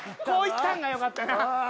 こう行ったんがよかったな。